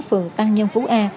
phường tăng nhân phú a